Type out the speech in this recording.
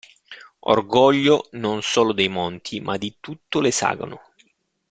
Orgoglio non solo dei monti, ma di tutto l'esagono.